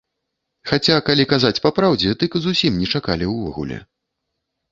Хаця, калі казаць папраўдзе, дык і зусім не чакалі ўвогуле.